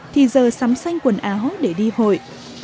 thì giờ sắm xanh quần áo để đi hội